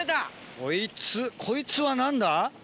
こいつこいつは何だ？